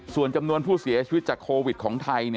ส่วนจำนวนผู้เสียชีวิตจากโควิดของไทย